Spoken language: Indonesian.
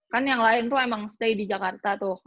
kan yang lain tuh emang stay di jakarta tuh